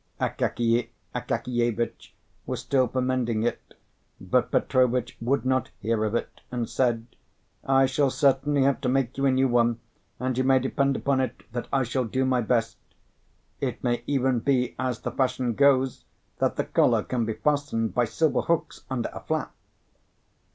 Akakiy Akakievitch was still for mending it; but Petrovitch would not hear of it, and said, "I shall certainly have to make you a new one, and you may depend upon it that I shall do my best. It may even be, as the fashion goes, that the collar can be fastened by silver hooks under a flap."